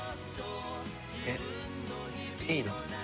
えっいいの？